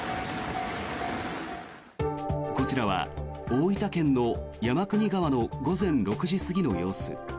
こちらは大分県の山国川の午前６時過ぎの様子。